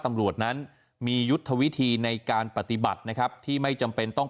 ตำรวจนั้นมียุทธวิธีในการปฏิบัตินะครับที่ไม่จำเป็นต้อง